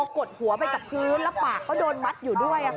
กดหัวไปกับพื้นแล้วปากก็โดนมัดอยู่ด้วย